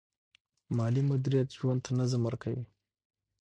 مالي مدیریت ژوند ته نظم ورکوي.